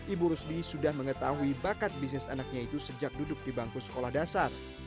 ibu rusdi sudah mengetahui bakat bisnis anaknya itu sejak duduk di bangku sekolah dasar